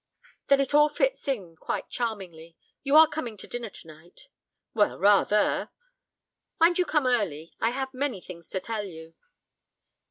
"Then it all fits in quite charmingly. You are coming to dinner tonight?" "Well, rather." "Mind you come early. I have many things to tell you."